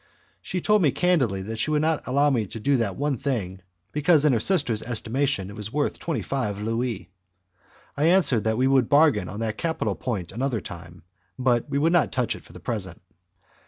She told me candidly that she would not allow me to do that one thing, because in her sister's estimation it was worth twenty five louis. I answered that we would bargain on that capital point another time, but that we would not touch it for the present.